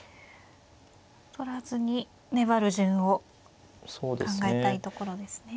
取らずに粘る順を考えたいところですね。